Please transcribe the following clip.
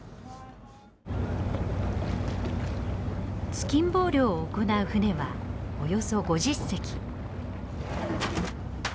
突きん棒漁を行う船はおよそ５０隻。